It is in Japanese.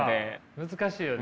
難しいよね。